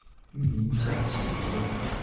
育嬰假期間